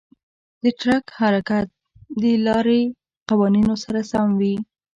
د ټرک حرکت د لارې قوانینو سره سم وي.